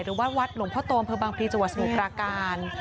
หรือวัดเวิร์นหลงพตรวมบังพรีจัวร์สมุกราการ